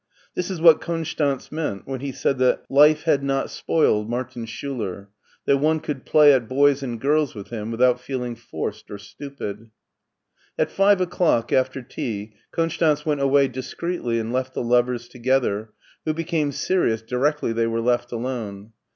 This is what Konstanz meant when he said that life had not 202 MARTIN SCHULER spoQed Martin Schuler; that one could play at boys and girls with him without feeling forced or stupid. At five o'clock, after tea, Konstanz went away dis creetly and left the lovers together, who became serious directly they were left alone.